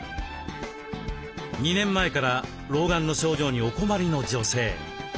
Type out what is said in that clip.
２年前から老眼の症状にお困りの女性。